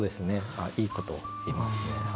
あっいいことを言いますね。